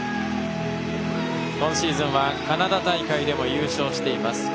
今シーズンはカナダ大会でも優勝しています。